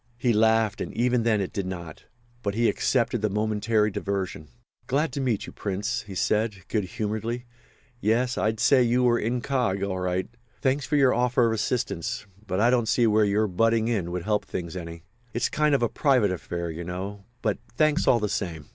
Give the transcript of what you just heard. He laughed, and even then it did not. But he accepted the momentary diversion. "Glad to meet you, Prince," he said, good humouredly. "Yes, I'd say you were incog. all right. Thanks for your offer of assistance—but I don't see where your butting in would help things any. It's a kind of private affair, you know—but thanks all the same."